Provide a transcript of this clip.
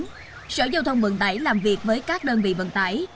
trước đó sở giao thông vận tải làm việc với các đơn vị vận tải